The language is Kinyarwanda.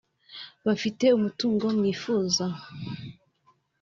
bafite umutungo mwifuza